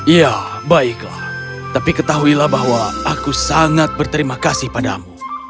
ya baiklah tapi ketahuilah bahwa aku sangat berterima kasih padamu